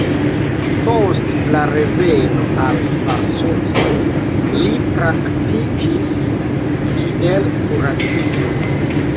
Post la reveno al Varsovio li praktikis kiel kuracisto.